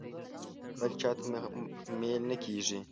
بل چاته مې میل نه کېږي.